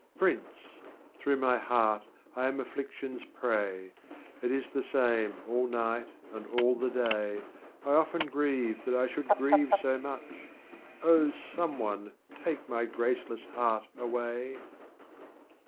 11. Prince ! through my Heart I am Affliction's prey. It is the same all night and all the day, I often grieve that I should grieve so much ; â€" Someone take my graceless Heart away